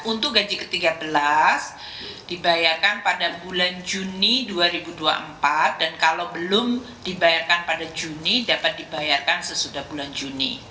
untuk gaji ke tiga belas dibayarkan pada bulan juni dua ribu dua puluh empat dan kalau belum dibayarkan pada juni dapat dibayarkan sesudah bulan juni